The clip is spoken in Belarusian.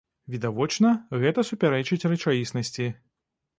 Відавочна, гэта супярэчыць рэчаіснасці.